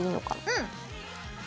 うん。